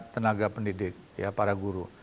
tenaga pendidik para guru